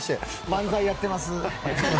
漫才やっています。